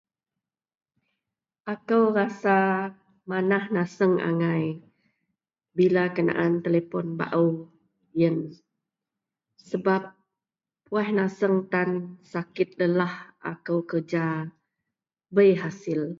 Ako rasa manah naseng angai bila kenaan telepon bao iyen Sebab puwaih naseng tan sakit lelah ako kerja bei hasil.